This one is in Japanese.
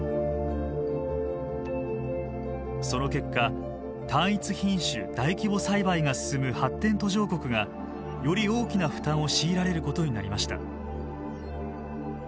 その結果単一品種大規模栽培が進む発展途上国がより大きな負担を強いられることになりました。